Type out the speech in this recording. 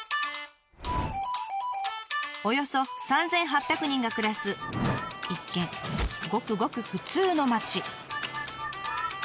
およそ３，８００人が暮らす一見ごくごく普通の町。